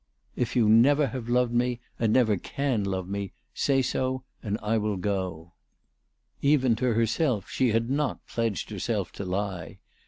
"If you never have loved me, and never can love me, say so, and I will go." Even to herself, 416 ALICE DTJGDALE. she had not pledged herself to lie.